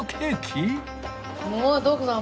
もう徳さん